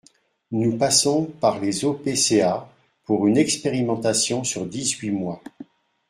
Nous passons par les OPCA pour une expérimentation sur dix-huit mois.